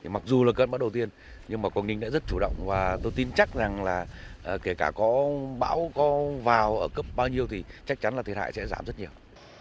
mặc dù là cơn bão đầu tiên nhưng mà quảng ninh đã rất chủ động và tôi tin chắc rằng là kể cả có bão có vào ở cấp bao nhiêu thì chắc chắn là thiệt hại sẽ giảm rất nhiều